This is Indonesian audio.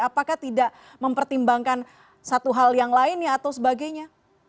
apakah tidak mempertimbangkan satu hal yang lainnya atau sebagainya